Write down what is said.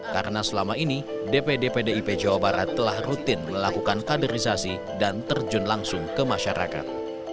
karena selama ini dpd pdip jawa barat telah rutin melakukan kaderisasi dan terjun langsung ke masyarakat